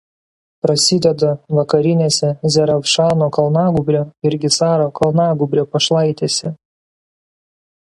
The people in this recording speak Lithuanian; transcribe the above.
Prasideda vakarinėse Zeravšano kalnagūbrio ir Gisaro kalnagūbrio pašlaitėse.